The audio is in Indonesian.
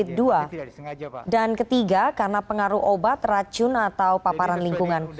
dan ketiga karena pengaruh obat racun atau paparan lingkungan